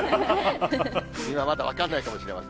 今まだ分かんないかもしれない。